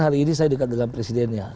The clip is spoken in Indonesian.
hari ini saya dekat dengan presidennya